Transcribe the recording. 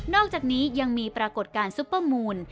อกจากนี้ยังมีปรากฏการณ์ซุปเปอร์มูล